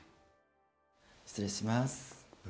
失礼します。